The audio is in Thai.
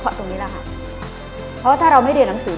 เพราะถ้าเราไม่เรียนเรันหนังสือ